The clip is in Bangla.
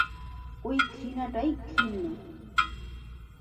ওই ঘৃণাটাই ঘৃণ্য।